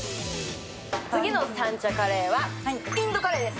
次の三茶カレーはインドカレーです。